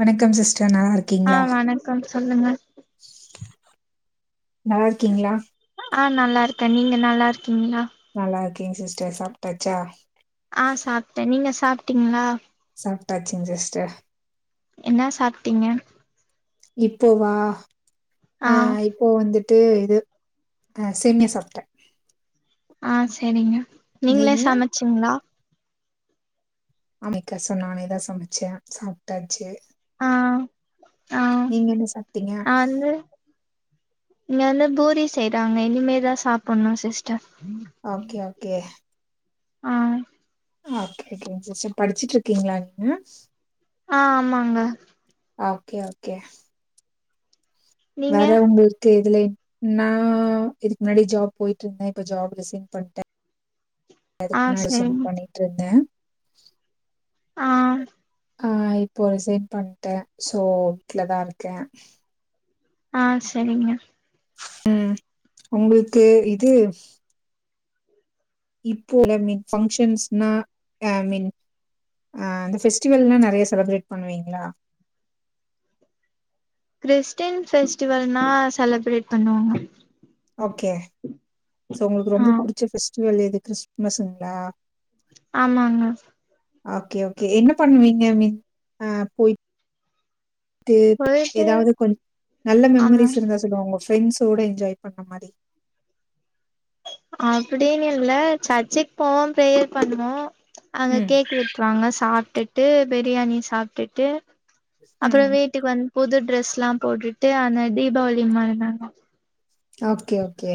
வணக்கம் சிஸ்டர் நல்லா ஆ இருக்கீங்களா வணக்கம் சொல்லுங்க நல்லா இருக்கீங்களா ஆ நல்லா இருக்கே நீங்க நல்லா இருக்கீங்களா நல்லா இருக்கே சிஸ்டர் சாப்ட்டாச்சா ஆ சாப்ட்டே நீங்க சாப்ட்டீங்களா சாப்ட்டாச்சுங்க சிஸ்டர். என்ன சாப்ட்டீங்க இப்போ வா ஆ இப்போ வந்து ட்டு இது அ சேமியா சாப்ட்டே ஆ சரிங்க நீங்களே சமைச்சுங்களா அமைக்கா சொ நானேதா சமச்சே சாப்ட்டாச்சு ஆ ஆ நீங்க என்ன சாப்ட்டீங்க நா வந்து இங்க வந்து பூரி செய்யறாங்க இனிமேதா சாப்பிடணு சிஸ்டர் ஓகே ஓகே ஆ ஓகே ஓகே சிஸ்டர் படிச்சுட்டு இருக்கீங்களா நீங்க ஆ ஆமாங்க ஓகே ஓகே. நீங்க வேற உங்களுக்கு எதுல நா இதுக்கு முன்னாடி ஜாப் போய்ட்டு இருந்தே இப்ப ஜாப் ரீசாயின் பண்ணிட்டே ஆ அதுக்கு முன்னாடி சும் செரிங்க பண்ணிட்டு இருந்த ஆ ஆ இப்போ ரீசைன் பண்ட்ட சோ வீட்டுலதா இருக்க ஆ சரிங்க உம் உங்களுக்கு இது இப்போ மீன் பங்க்ஷன்ஸ்னா ஐ மீன் அ இந்த பெஃபெஸ்டிவெல்னா நறைய செலிப்ரேட் பண்ணுவீங்களா கிறிஸ்டன் பெஸ்டிவல்னா செலிப்ரேட் பண்ணுவோங்க ஓகே சோ உங்களுக்கு ஆ ரொம்ப புடிச்ச பெஸ்டிவல் எது கிறிஸ்மஸ்ங்களா ஆமாங்க ஓகே ஓகே என்ன பண்ணுவீங்க மீ ஆ போய் டு போயிட்டு ஏதாவது கொஞ் நல்ல ஆமா மெமரிஸ் இருந்தா சொல்லுங்க உங் ஃப்ரெண்ட்ஸோட என்ஜாய் பண்ண மாரி அப்டின்னு இல்ல சர்ச்சைக்கு போவோ பிரேயர் பண்ணுவோ அங்க ம், கேக் வெட்டுவாங்க சாப்ட்டுட்டு பிரியாணி சாப்ட்டுட்டு அப்புற ம். வீட்டுக்கு வந்து புது ட்ரெஸ் எல்லா போட்டுட்டு ஆன தீபாவளி மாரி தாங்க ஓகே ஓகே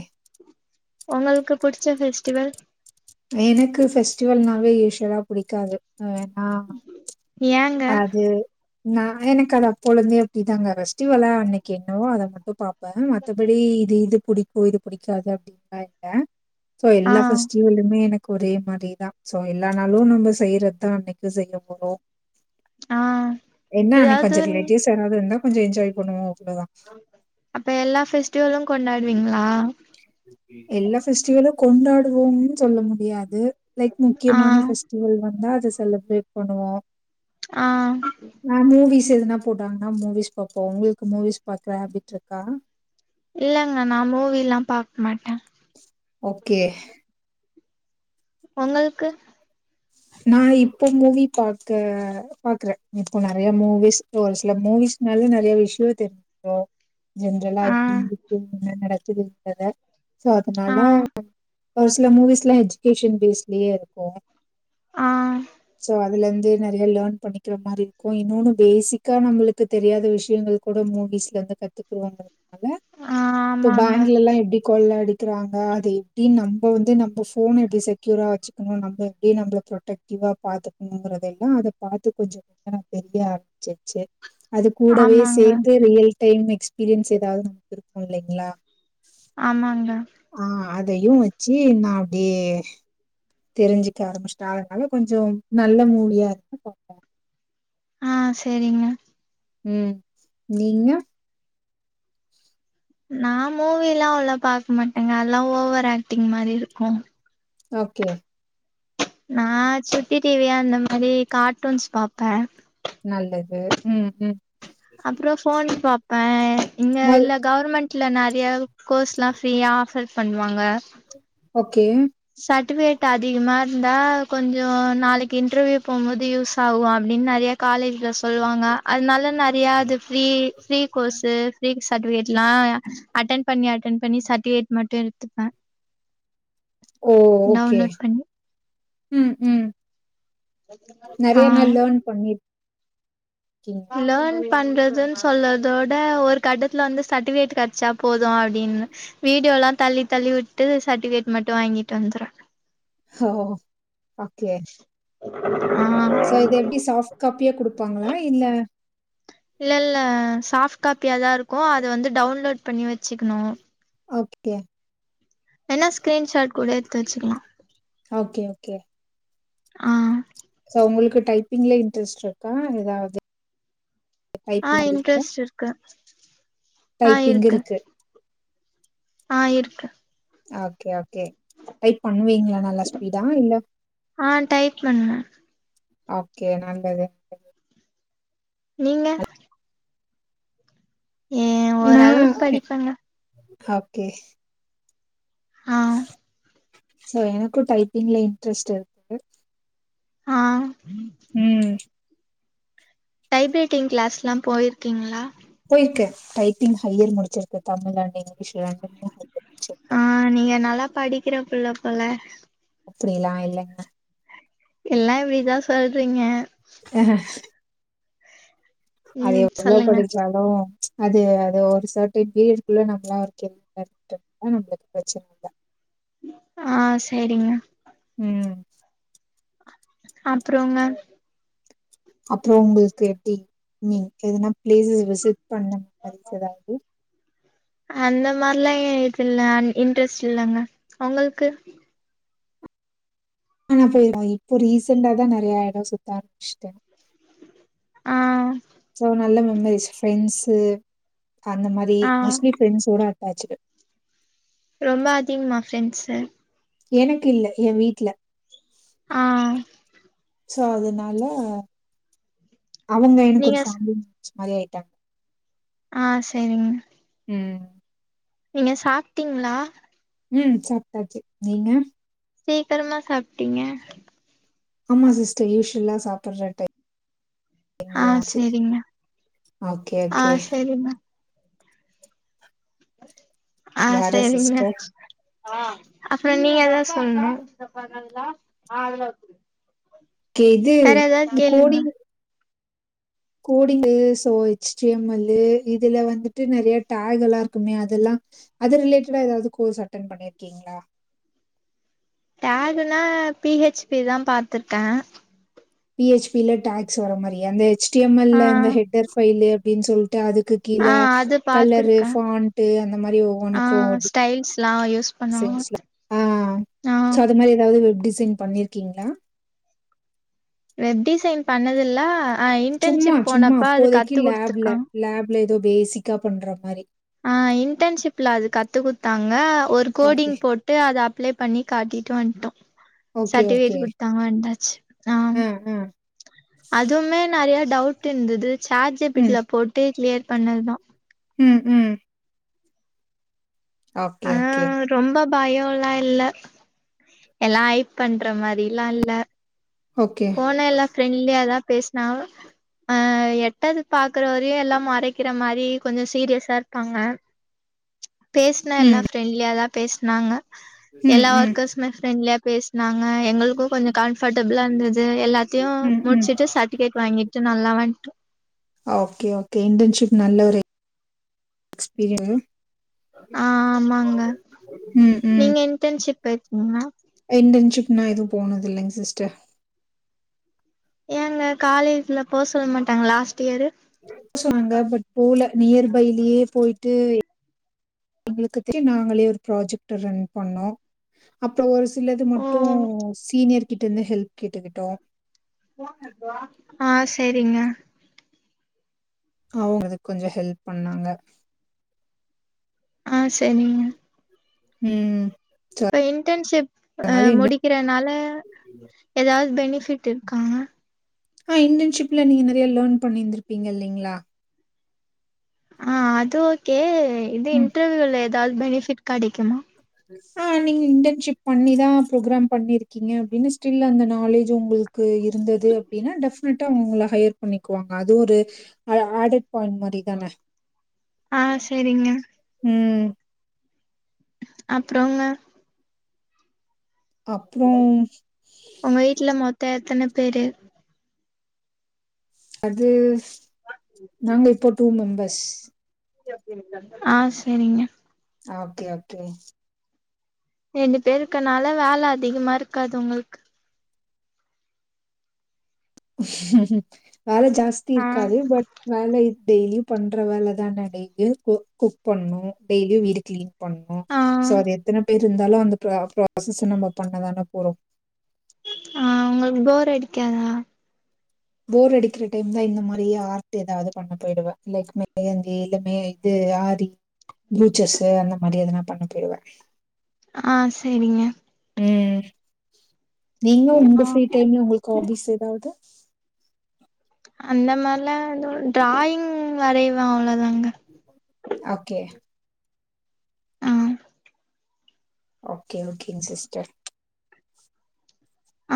உங்களுக்கு புடிச்ச பெஃஸ்டிவல் எனக்கு ஃபெஸ்டிவல்னாலே யூசுவலா புடிக்காது எனா ஏங்க அது ந எனக்கு அது அப்பழுந்தே அப்படிதாங்க பெஸ்டிவலா அன்னைக்கு என்னவோ அத மட்டு பாப் ப்ப மத்தபடி இது இது புடிக்கு இது புடிக்காது அப்டின்ல்லா இல்ல சோ ஆ எல்லா ஃபெஸ்டிவெல் எனக்கு ஒரே மாரிதா சோ எல்லானாலு நம்ம செய்யறதா அன்னைக்கு செய்ய போறோ ஆ என்ன அன்னிக்கி ஏதாவது கொஞ்ச ரிலேட்டிவ்ஸ் யாரவது இருந்தா கொஞ்ச என்ஜாய் பண்ணுவோ அப்ப எல்லா பெஸ்டிவலு கொண்டாடுவீங்களா எல்லா பெஸ்ட்டிவலு கொண்டாடுவோம்னு சொல்ல முடியாது லைக் ஆ முக்கியமான பெஃபஸ்டிவல் வந்தா அத செலிப்ரேட் பண்ணுவோ ஆ எதுனா போட்டாங்கன்னா மூவிஸ் பார்பப்போ உங்களுக்கு மூவிஸ் பாக்ற ஹாபிட் இருக்கா இல்லங்க நான் மூவில்லா பாக்க மாட்டே ஓகே உங்களுக்கு நா இப்போ மூவி பாக்க பாக்குறே இப்போ நறைய மூவிஸ் ஒரு சில மூவி ஸ் னால நறைய விஷய தெரிஞ்க்ரோ ஜென்ரலா ஆ எப்டி இருக்கு என்ன நடக்குதுக்ற சோ அதனால ஆ ஒரு சில மூவிஸ்ல்லா எஜிகேஷன் பேஸ்லயே இருக்கு ஆ சோ அதுல இருந்து நறைய லேர்ன் பண்ணிக்கிற மாரி இருக்கு இன்னொன்னு பேசிக்கா நம்மளுக்கு தெரியாத விஷயங்கள் கூட மூ ல இருந்து கத்துக்குவோங்கனால ஆ இ ஆமாங்க பேங்க்ல எல்லா எப்டி கொள்ள அடிக்கிறாங்க அத எப்டி நம்ம வந்து நம்ம போன எப்டி செக்யூரா வச்சுக்கணு நம்ம எப்டி நம்மள ப்ரொட்டக்டிவா பாத்துக்கணங்கறத எல்லா அத பாத்து கொஞ்ச கொஞ்ச நா தெரிய ஆரம்பிச்சிச்சு அது கூூடவே ஆமாங்க சேர்ந்து ரியல் டைம் எக்ஸ்பீரியன்ஸ் ஏதாவது நமக்கு இருக்கு இல்லைங்களா ஆமாங்க ஆ அதையும் வச்சு நா அப்டியே தெரிஞ்சுக்க ஆரம்பிச்சிட்டா அதனால கொஞ்ச நல்ல மூவியாதுன்னு பாப்ப ஆ செரிங்க ம் நீங்க நா மூவில்லா அவ்ள பாக்க மாட்டேங்க அதல்லா ஓவர் ஆக்டிங் மாரி இருக்கு ஓகே நா சுட்டி டிவி அந்த மாரி கார்ட்டூன்ஸ் பாப்பே நல்லது ம் ம் அப்றோ போன் பாப்பே இங்கே மொத இல்ல கவர்மெண்ட்ல நறையா கோர்ஸ்லா ஃப்ரீயா ஆஃபர் பண்ணுவாங்க ஓகே சர்டிபிகேட் அதிகமா இருந்தா கொஞ்ச நாளைக்கு இன்டர்வியூ போம்போது யூஸ் ஆகு அ நிம்மதியா காலேஜ்ல சொல்லுவாங்க அதனால நிறைய அது ஃப்ரீ ஃப்ரீ கோர்ஸு ஃப் சர்ட்டிபிகேட்ல அட்டென் பண்ணி அட்டென் பண்ணி சர்ட்டிபிகேட் மட்டு எடுத்துப்ப ஓ! ஓகே. டவுன்லோட் பண்ணி ம் ம் நிறைய ஆ நாள் லேர்ன் பண்ணி ஓகேங்க. லேன் பண்றதுன்னு சொல்தோட ஒரு கட்டத்துல வந்து சர்டிபிகேட் கிடைச்சா போது அப்படின்னு வீடியோ எல்லா தள்ளி தள்ளி விட்டு சர்டிபிகேட் மட்டு வாங்கிட்டு வந்துரு ஓ ஓகே சோ ஆ இது எப்படி சாஃப்ட் காப்பியா குடுப்பாங்களா இல்ல இல்ல இல்ல சாப்ட் காப்பிய தா இருக்கு அத வந்து டவுன்லோட் பண்ணி வச்சுக்கணு ஓக் கே வென்னா ஸ்கிரீன்ஷாட் கூட எடுத்து வச்சுக்கலா ஓகே ஓகே ஆ சோ உங்களுக்கு டைப்பிங்ல இன்ட்ரெஸ்ட் இருக்கா ஏதாவது ஆ டைப்பிங் இருக்கா இன்ட்ரெஸ்ட் இருக்கு டைப்பிங் இருக்கு ஆ இருக்கு ஓகே ஓ ஓகே டைப் பண்ணுவீங்களா நல்ல ஸ்பீடா இல்ல ஆ டைப் பண்ணுவ ஓகே நல்லது நீங்க ஏ நான் ஓரளவுக்கு படிப்பங்க ஓகே ஆ சோ எனக்கு டைப்பிங்ல இன்ட்ரெஸ்ட் இருக் ஆ ம் டைப் ரைட்டிங் கிளாஸ் எல்லா போயிருக்கீங்களா போயிருக்க டைப்பிங் ஹையர் முடிச்சிருக்கு தமிழ் அண்ட் இங்கிலீஷ் ரெண்டுமே ஆ நீங்க நல்லா படிக்கிற பிள்ள போல அப்படிலா இல்லங்க எல்லா இப்படிதா சொல்றீங்க ஆ அ அது ம் எவ்ளோ சொல்லுங்க படிச்சாலு அது அது ஒரு செர்டைன் பீரியட்குள்ள நம்மளா அவ கே இருந்த தா நம்மளுக்கு பிரச்சன இல்ல ஆ சரிங்க உம் அப்புறம்ங்க அப்புறம் உங்களுக்கு எப்படி நீங்க எதுனா பிளேசஸ் விசிட் பண்ண மதிச் எதாத்து அந்த மாரிலா இது இல்ல இன்ட்ரெஸ்ட் இல்லங்க உங்களுக்கு ஆனா பொய்ருவோ இப்போ ரீசெண்டா தா நிறைய இடம் சுத்த ஆரம்பிச்சுட்ட ஆ சோ நல்ல மெமரிஸ் ஃப்ரெண்ட்ஸ்சு அந்த மாதிரி ஆ மோஸ்ட்லி ஃப்ரெண்ட்ஸ் ஓட பச்சிப்பு ரொம்ப அதிகமா ஃப்ரெண்ட்ஸ்சு எனக்கு இல்ல எ வீட்ல ஆ சோ அதனால அவங்க எனக்கு நீங்க ஒரு ஸ் ஃபேமிலி மாரி ஆயிட்டாங் ஆ சேரிங்க ம் நீங்க சாப்ட்டீங்களா ம் சாப்ட்டாச்சு நீங்க சீக்கிரமா சாப்ட்டீங்க ஆமா சிஸ்டர் யூஷுவல்லா சாப்டுற ஆ டைம் ஆச்சு சேரிங்க ஓகே ஆ ஓகே சேரிங்க ஆ வேற சேரிங்க சிஸ்டர் ஆ அப்றோ நீங்க தா சொல்னு கே இது வேற எதாது இந்த கேளுங்க கோடிங் கோடிங்கு சோ ஹட்ச்டிஎம்மல்லு இதுல வந்துட்டு நெறைய டேக்குலா இருக்குமே அதுலா அது ரிலேட்டடா எதாவது கோர்ஸ் அட்டன்ட் பண்ணிருக்கீங்களா டேக்குனா பிஹெச்பி தா பாத்ருக்க பிஹச்பில டாக்ஸ் வர மாரி அந்த ஹட்ச்டிஎம்மல்ல ஆ அந்த ஹெட்டர் ஃபைல்லு அப்டின்னு சொல் அதுக்கு ஆ கீழ அது கலரு பாத்துருக்கே ஃபாண்ட்டு அந்த மாரி ஆ ஒவ்வொன்னுக்கு ஒ ஸ்டைல்ஸ்லா யூஸ் பண்ணுவாங்க செஞ்சுலா ஆ ஆ சோ அது மாரி எதாவது வெப் டிசைன் சைன் பண்ணிருக்கீங்களா வெப் டிசைன் பண்ணதுல்ல சும்மா சும்மா அப்போதைக்கு லேப்ல குடுத்துருக்காங்க லேப்ல ஏதோ பேசிக்கா பண்ற மாரி ஆ இன்டன்ஷிப்ல அது கத்து குட்த்தாங்க ஒரு ஓகே கோடிங் போட்டு அத அப்ளை பண்ணி காட்டிட்டு வன்ட்டோ ஓகே ஓகே சர்டிபிகேட் கொடுத்தாங்க வந்தாச்சு ஆ அ அ அதுமே நெறைய டவுட் இருந்தது சாட் ம் ஜிபிடில போட்டு கிளியர் பண்ணதுதா ம் ம் ஓகே ஓ ஆ ரொம்ப பயோலா இல்ல எல்லா ஐப் பண்ற மாரிலா இல்ல ஓகே போனா எல்லா ஃப்ரெண்ட்லியாாதா பேசனாஹ அ அ எட்டது பாக்குற வரையு எல்லா முறைக்கிற மாரி கொஞ்சோ சீரியஸா இருக்காங்க [inaudible] பேசனா ம் எல்லா ப்ரெண்ட்லியா தா பேசுனாங்க ம் எல்லா ம் ஒர்க்கர்ஸுமே ஃப்ரெண்ட்லியா பேசு நாங்க எங்களுக்கு கொஞ்ஜோ கம்ஃபர்டபிளா இருந்தது எல்லாத்தையு ம் ம் முடிச்சுட்டு சர்டிபிகேட் வாங்கிட்டு நல்லா வந்ட்டோ இன்டன்ஷிப் நல்ல ஒரு எக்ஸ்பீ ஆ ஆமாங்க ம் ம் நீங்க இன்டர்ன்ஷிப் போயிருக்கீங்களா இன்டன்ஷிப் நா எதுவு போனது இல்லைங்க சிஸ்டர் ஏங்க காலேஜ்ல போ சொல்ல மாட்டாங்க லாஸ்ட் இயரு சொன்னாங்க பட் போல நியர்பைலயே போய்ட்டு ங்களுக்கு நாங்களே ஒரு ப்ராஜெக்ட் அ ரன் பண்ணோ அப்றோ ஒரு சிலது ஓ மட்டு சீனியர் கிட்ட இருந்து ஹெல்ப் கேட்டுக்கிட்டோ ஆ சேரிங்க அவங்க அதுக்கு கொஞ்ஜோ ஹெல்ப் பண்ணாங்க ஆ சரிங்க ம் இப்ப இன்டன்ஷிப் ஆ அதனால இந்த முடிக்கறனால எதாவது பெனி ஃபிட்டு இருக்காங்க ஆ இன்டன்ஷிப்ல நீங்க நெறைய லேர்ன் பண்ணியிருந்திருப்பீங்க இல்லைங்களா ஆ அது ஓகே இது இன்ர்வியூல எதாவது பெனிஃபிட் கடைக்குமா ஆ நீங்க இன்டன்ஷிப் பண்ணிதா ப்ரோக்ராம் பண்ணிருக்கீங்க அப்டின்னு ஸ்டில் அந்த நாலேஜ் உங்களுக்கு இருந்தது அப்டின்னா டெஃப்னட்டா அவங்க உங்கள ஹையர் பண்ணிக்குவாங்க அது ஒரு இதாங்க ஆ செரிங்க ம் அப்றோங்க அப்புறம் ஒங்க வீட்ல மொத்தோ எத்தன பேரு அது நாங்க இப்ப டூ மெம்பர்ஸ் ஆ செரிங்க ஓகே ஓகே ரெண்டு பேரு இருக்கனால வேல அதிகமா இருக்காது ஒங்களுக்கு வேல ஜாஸ்தி ஆ இருக்காது பட் நாங்க இப் டெய்லியு பண்ற வேல தானா டெய்லியு குக் குக் பண்ணனு டெய்லியு வீடு க்ளீன் பண்ணனு ஆ சோ அது எத்தன பேர் இருந்தாலு அந்த ப்ரா ப்ராசஸ் நம்ம பண்ண தானா போறோ ஆ ஒங்களுக்கு போர் அடிக்காதா போர் அடிக்கிற டைம் தா இந்த மாரி ஆர்ட் ஏதாவது பண்ண போயிடுவே இல்லாட்டினா மெஹந்தி இல்ல மே இது ஆதி பூச்சஸ் அந்த மாதி எதுனா பண்ண போய்டுவே ஆ சேரிங்க ம் நீங்க ஆ உங்க ஃப்ரீ டைம்ல உங்களுக்கு ஹாபீஸ் ஏதாவது அந்த மாரிலா எதுவு டிராயிங் வரைவே அவ்ளோதாங்க ஓகே ஆ ஓகே ஓகேங்க சிஸ்டர்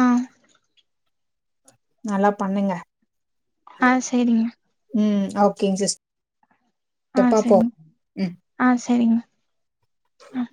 ஆ நல்லா பண்ணுங்க ஆ சேரிங்க ம் ஓகேங்க சிஸ் ஆ செரிங்க ஆ செரிங்க ஆ